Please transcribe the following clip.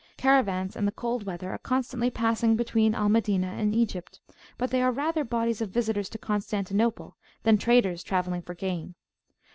Caravans in [p.9]the cold weather are constantly passing between Al Madinah and Egypt, but they are rather bodies of visitors to Constantinople than traders travelling for gain.